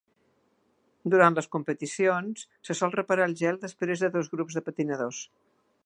Durant les competicions se sol reparar el gel després de dos grups de patinadors.